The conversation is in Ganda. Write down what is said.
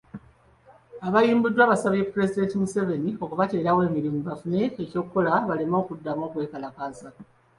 Abayimbuddwa basabye pulezidenti Museveni okubateerawo emirimu bafune eky'okukola baleme kuddamu kwekalakaasa.